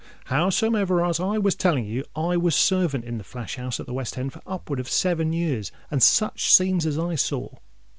Howsomever, as I was telling you, I was servant in the flash house at the West End for upward of seven years; and such scenes as I saw!